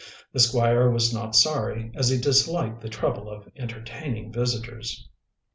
The Squire was not sorry, as he disliked the trouble of entertaining visitors.